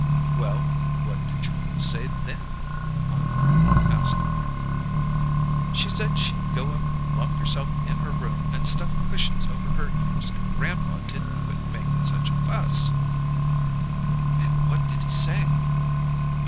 "Well, what did Julia say then?" Aunt Carrie asked eagerly. "She said she'd go up and lock herself in her room and stuff cushions over her ears if grandpa didn't quit makin' such a fuss." "And what did he say?"